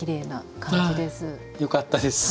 よかったです。